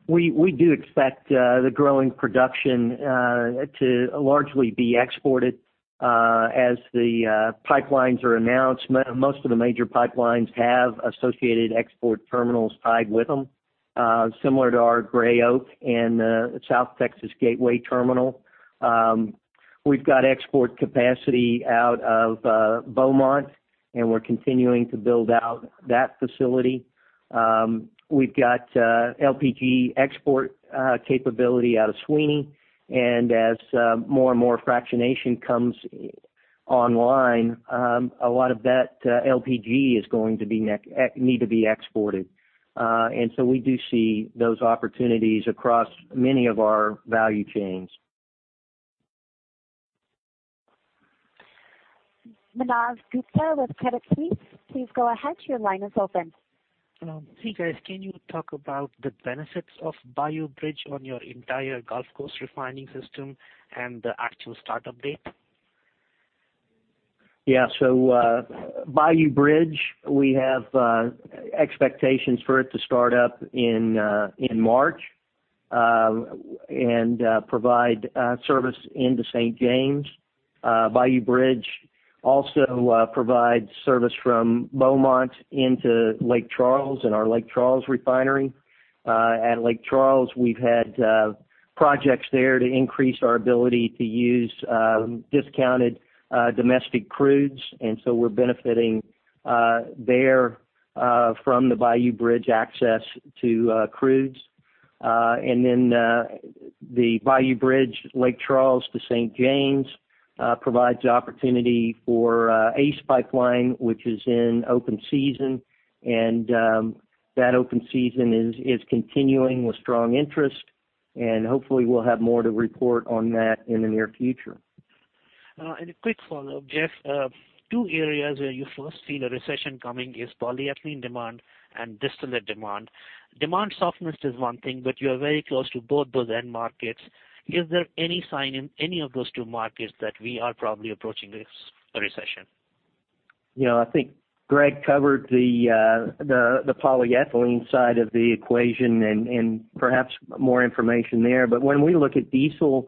We do expect the growing production to largely be exported, as the pipelines are announced. Most of the major pipelines have associated export terminals tied with them, similar to our Gray Oak and South Texas Gateway Terminal. We've got export capacity out of Beaumont, and we're continuing to build out that facility. We've got LPG export capability out of Sweeney, and as more and more fractionation comes online, a lot of that LPG is going to need to be exported. We do see those opportunities across many of our value chains. Manav Gupta with Credit Suisse, please go ahead. Your line is open. Hey, guys. Can you talk about the benefits of Bayou Bridge on your entire Gulf Coast refining system and the actual start-up date? Yeah. Bayou Bridge, we have expectations for it to start up in March, and provide service into St. James. Bayou Bridge also provides service from Beaumont into Lake Charles and our Lake Charles refinery. At Lake Charles, we've had projects there to increase our ability to use discounted domestic crudes, we're benefiting there from the Bayou Bridge access to crudes. The Bayou Bridge, Lake Charles to St. James, provides the opportunity for ACE Pipeline, which is in open season. That open season is continuing with strong interest, and hopefully we'll have more to report on that in the near future. A quick follow-up, Jeff. Two areas where you first see the recession coming is polyethylene demand and distillate demand. Demand softness is one thing, you are very close to both those end markets. Is there any sign in any of those two markets that we are probably approaching this recession? Yeah. I think Greg covered the polyethylene side of the equation and perhaps more information there. When we look at diesel,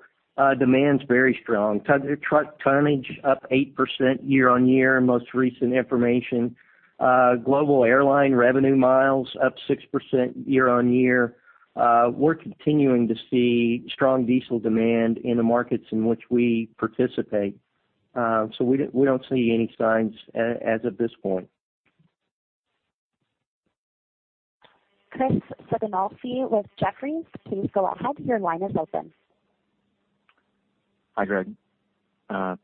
demand's very strong. Truck tonnage up 8% year-over-year in most recent information. Global airline revenue miles up 6% year-over-year. We're continuing to see strong diesel demand in the markets in which we participate. We don't see any signs as of this point. Chris Sighinolfi with Jefferies, please go ahead. Your line is open. Hi, Greg.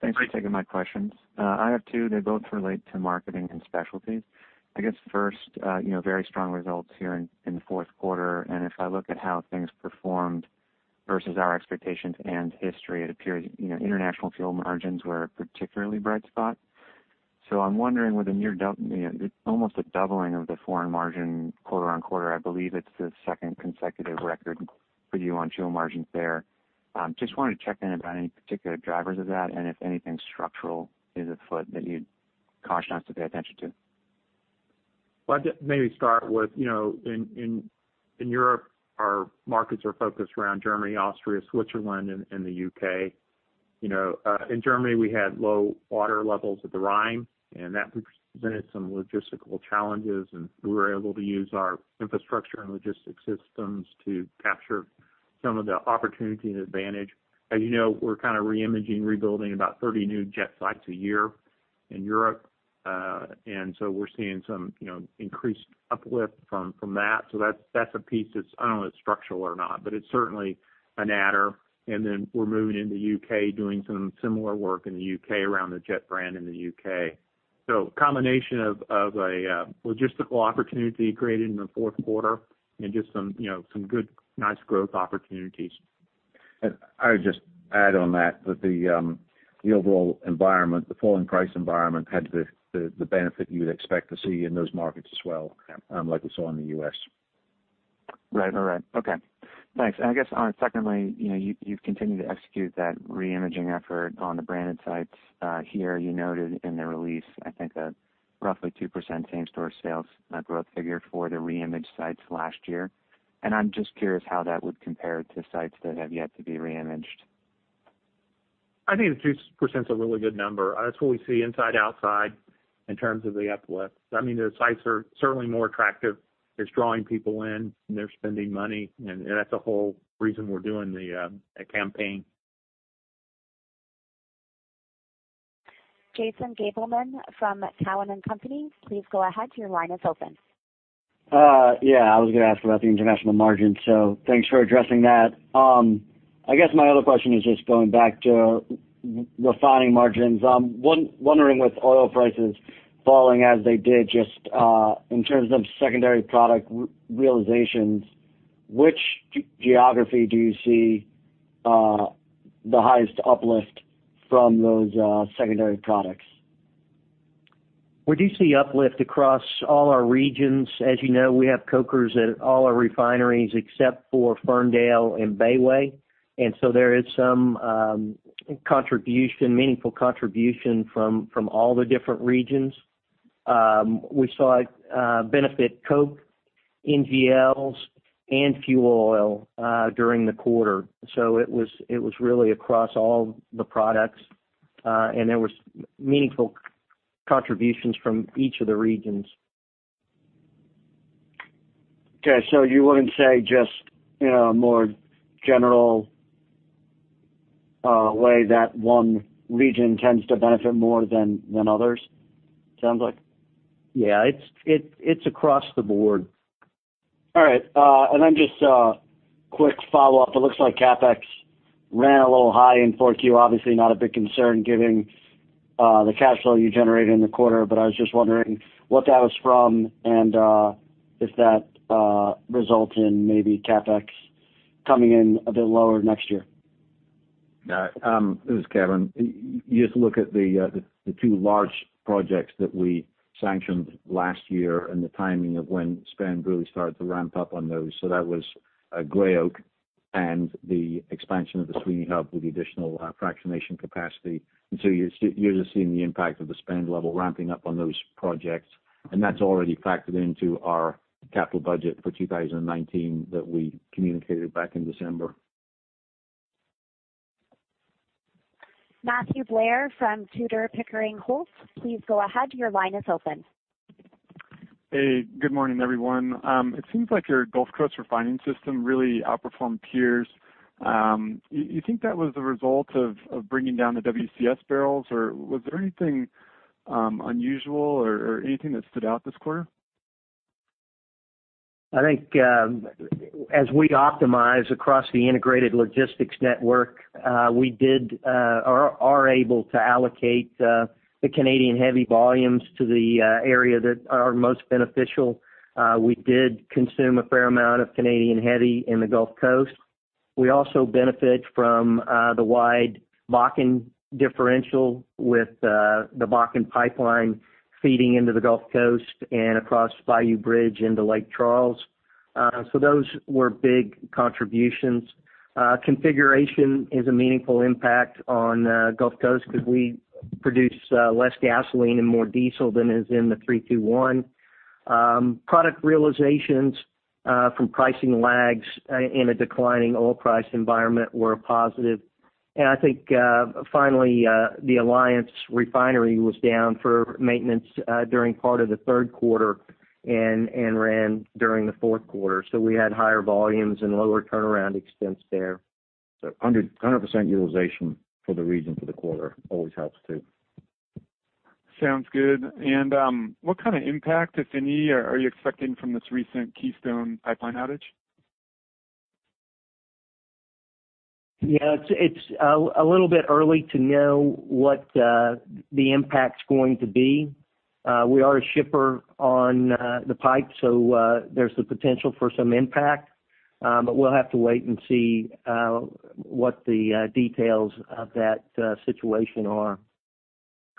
Thanks for taking my questions. I have two. They both relate to marketing and specialties. I guess first, very strong results here in the fourth quarter, and if I look at how things performed versus our expectations and history, it appears international fuel margins were a particularly bright spot. I'm wondering with almost a doubling of the foreign margin quarter-on-quarter, I believe it's the second consecutive record for you on fuel margins there. Just wanted to check in about any particular drivers of that and if anything structural is afoot that you'd caution us to pay attention to. I'd maybe start with in Europe, our markets are focused around Germany, Austria, Switzerland, and the U.K. In Germany, we had low water levels at the Rhine, and that presented some logistical challenges, and we were able to use our infrastructure and logistics systems to capture some of the opportunity and advantage. As you know, we're kind of reimaging, rebuilding about 30 new JET sites a year in Europe. We're seeing some increased uplift from that. That's a piece that's, I don't know if it's structural or not, but it's certainly an adder. We're moving into U.K., doing some similar work in the U.K. around the JET brand in the U.K. Combination of a logistical opportunity created in the fourth quarter and just some good, nice growth opportunities. I would just add on that the overall environment, the falling price environment, had the benefit you would expect to see in those markets as well. Yeah like we saw in the U.S. Right. Okay, thanks. I guess, secondly, you've continued to execute that reimaging effort on the branded sites. Here, you noted in the release, I think, a roughly 2% same-store sales growth figure for the reimaged sites last year. I'm just curious how that would compare to sites that have yet to be reimaged. I think the 2% is a really good number. That's what we see inside, outside in terms of the uplift. I mean, the sites are certainly more attractive. It's drawing people in, and they're spending money, and that's the whole reason we're doing the campaign. Jason Gabelman from Cowen and Company, please go ahead. Your line is open. Yeah. I was going to ask about the international margin, thanks for addressing that. I guess my other question is just going back to refining margins. I'm wondering with oil prices falling as they did, just in terms of secondary product realizations, which geography do you see the highest uplift from those secondary products? We do see uplift across all our regions. As you know, we have cokers at all our refineries except for Ferndale and Bayway. There is some meaningful contribution from all the different regions. We saw a benefit coke in NGLs and fuel oil during the quarter. It was really across all the products, and there was meaningful contributions from each of the regions. Okay. You wouldn't say just a more general way that one region tends to benefit more than others, sounds like? Yeah. It's across the board. All right. Then just a quick follow-up. It looks like CapEx ran a little high in 4Q. Obviously, not a big concern given the cash flow you generated in the quarter, I was just wondering what that was from and if that results in maybe CapEx coming in a bit lower next year. This is Kevin. You just look at the two large projects that we sanctioned last year and the timing of when spend really started to ramp up on those. That was Gray Oak and the expansion of the Sweeney hub with the additional fractionation capacity. You're just seeing the impact of the spend level ramping up on those projects. That's already factored into our capital budget for 2019 that we communicated back in December. Matthew Blair from Tudor, Pickering Holt. Please go ahead. Your line is open. Hey, good morning, everyone. It seems like your Gulf Coast refining system really outperformed peers. You think that was the result of bringing down the WCS barrels, Was there anything unusual or anything that stood out this quarter? I think as we optimize across the integrated logistics network, we are able to allocate the Canadian heavy volumes to the area that are most beneficial. We did consume a fair amount of Canadian heavy in the Gulf Coast. We also benefit from the wide Bakken differential with the Bakken Pipeline feeding into the Gulf Coast and across Bayou Bridge into Lake Charles. Those were big contributions. Configuration is a meaningful impact on Gulf Coast because we produce less gasoline and more diesel than is in the 3-2-1. Product realizations from pricing lags in a declining oil price environment were a positive. I think, finally, the Alliance Refinery was down for maintenance during part of the third quarter and ran during the fourth quarter. We had higher volumes and lower turnaround expense there. 100% utilization for the region for the quarter always helps too. Sounds good. What kind of impact, if any, are you expecting from this recent Keystone Pipeline outage? Yeah. It's a little bit early to know what the impact's going to be. We are a shipper on the pipe, so there's the potential for some impact. We'll have to wait and see what the details of that situation are.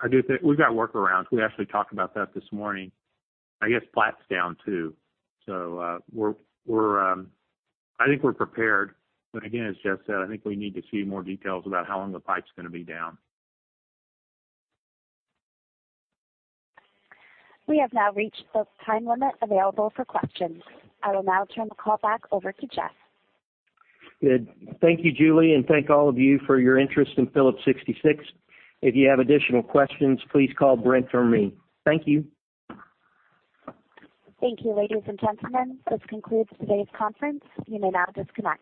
I do think we've got workarounds. We actually talked about that this morning. I guess Platts down too. I think we're prepared. Again, as Jeff said, I think we need to see more details about how long the pipe's going to be down. We have now reached the time limit available for questions. I will now turn the call back over to Jeff. Good. Thank you, Julie, and thank all of you for your interest in Phillips 66. If you have additional questions, please call Brent or me. Thank you. Thank you, ladies and gentlemen. This concludes today's conference. You may now disconnect.